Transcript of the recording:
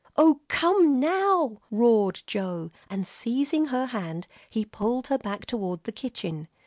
"Oh, come now!" roared Joe, and seizing her hand, he pulled her back toward the kitchen.